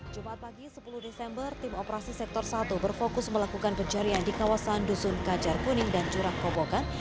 jumat pagi sepuluh desember tim operasi sektor satu berfokus melakukan pencarian di kawasan dusun kajar kuning dan curah kobokan